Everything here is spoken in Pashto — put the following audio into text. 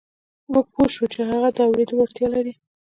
موږ پوه شوو چې هغه د اورېدو وړتیا لري